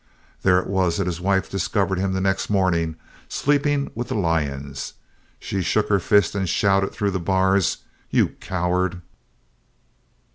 There it was that his wife discovered him the next morning, sleeping with the lions, and she shook her fist and shouted through the bars, "you coward!"